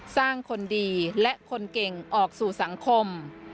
คนดีและคนเก่งออกสู่สังคม